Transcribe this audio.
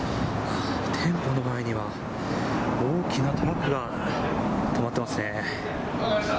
店舗の前には大きなトラックが止まってますね。